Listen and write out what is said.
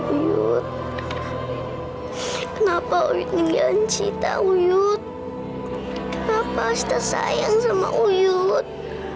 uyut kenapa uyut memang cinta uyut kenapa kita sayang sama uyut